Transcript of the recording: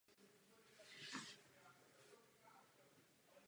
V této funkci dosáhl hodnosti generálporučíka.